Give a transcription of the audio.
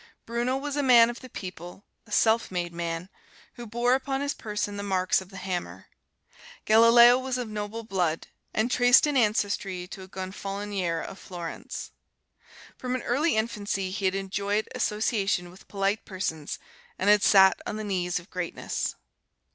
Bruno was a man of the people a self made man who bore upon his person the marks of the hammer. Galileo was of noble blood, and traced an ancestry to a Gonfalonier of Florence. From early infancy he had enjoyed association with polite persons, and had sat on the knees of greatness.